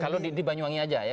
kalau di banyuwangi aja ya